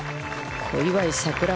小祝さくら